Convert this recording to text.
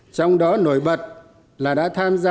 trong đó nổi bật là đã tham gia